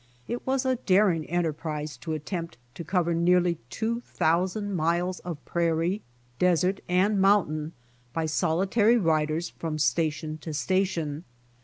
It was a daring enterprise to attempt to cover nearly two thousand miles of prairie, desert and mountain by solitary riders from! station to sta tion.